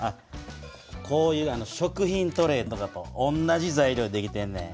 こういう食品トレーとかと同じ材料でできてんねん。